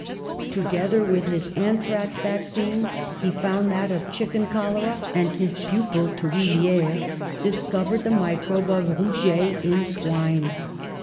Together with his anthrax vaccine, he found that of chicken cholera; and his pupil, Thuil lier, discovered the microbe of rouget in swine.